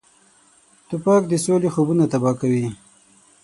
توپک د سولې خوبونه تباه کوي.